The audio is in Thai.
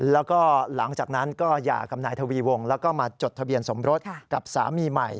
แล้วก็หลังจากนั้นก็หย่ากับนายทวีวงแล้วก็มาจดทะเบียนสมรสกับสามีใหม่